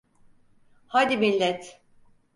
Hadi millet.